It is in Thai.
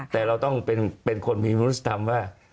แต่เราต้องเป็นคนมีมนุษยธรรมว่า